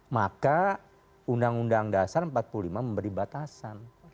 maka undang undang dasar empat puluh lima memberi batasan